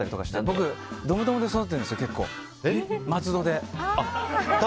僕、ドムドムで育ってるんです結構、松戸で。